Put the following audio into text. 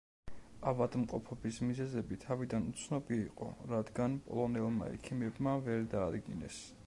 ავადმყოფობის მიზეზები თავიდან უცნობი იყო, რადგან პოლონელმა ექიმებმა ვერ დაადგინეს.